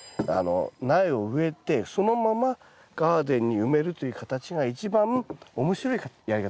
苗を植えてそのままガーデンに埋めるという形が一番面白いやり方なんです。